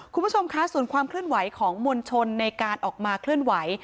คุณผู้ชมคะส่วนความเคลื่อนไหวของมวลชนในการออกมาเคลื่อนไหว